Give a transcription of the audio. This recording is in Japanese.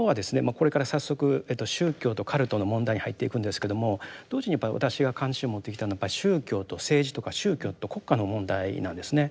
これから早速宗教とカルトの問題に入っていくんですけども同時にやっぱり私が関心を持ってきたのは宗教と政治とか宗教と国家の問題なんですね。